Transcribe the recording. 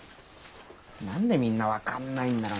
何でみんな分かんないんだろ。